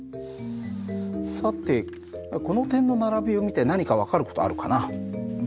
さてこの点の並びを見て何か分かる事あるかな？